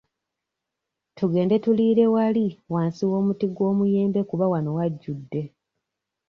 Tugende tuliire wali wansi w'omuti gw'omuyembe kuba wano wajjude.